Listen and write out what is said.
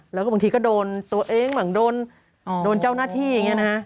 แล้วก็บางทีก็โดนตัวเองบ้างโดนเจ้าหน้าที่อย่างนี้นะฮะ